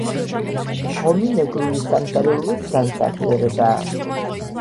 ღომი მეგრული სამზარეულოს განსახიერებაა